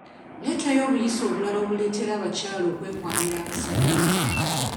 Leetayo obuyisa obulala obuleetera abakyala okwekwanira abasajja.